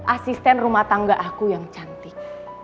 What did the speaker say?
asisten rumah tangga aku yang cantik